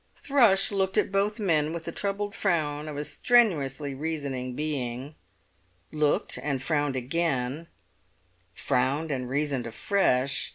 Thrush looked at both men with the troubled frown of a strenuously reasoning being—looked and frowned again—frowned and reasoned afresh.